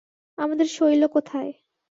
আমাদের শৈল কোথায়?